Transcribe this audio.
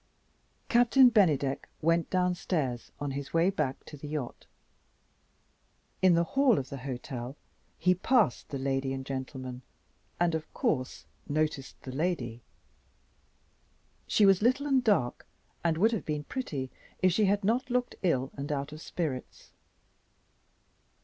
Captain Bennydeck went downstairs, on his way back to the yacht. In the hall of the hotel he passed the lady and gentleman and, of course, noticed the lady. She was little and dark and would have been pretty, if she had not looked ill and out of spirits.